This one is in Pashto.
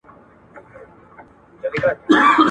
ته به مي لوټه د صحرا بولې .